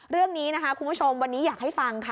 เรื่องนี้นะคะคุณผู้ชมวันนี้อยากให้ฟังค่ะ